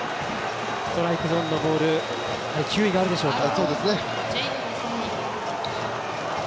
ストライクゾーンのボール球威があるでしょうか。